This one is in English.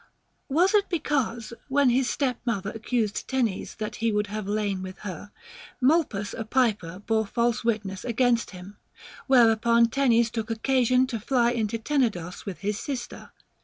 Was it because, when his step mother accused Tenes that he would have lain with her, Molpus a piper bore false witness against him ; whereupon Tenes took oc casion to fly into Tenedos with his sister?